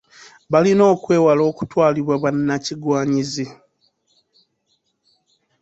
Balina okwewala okutwalibwa bannakigwanyizi.